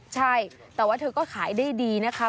ใช่แต่ว่าเธอก็ขายได้ดีนะคะ